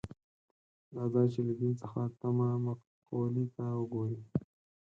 دا ځای چې له دین څخه تمه مقولې ته وګوري.